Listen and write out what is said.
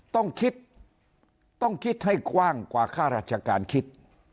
ต้องคิดต้องคิดให้กว้างกว่าค่าราชการคิด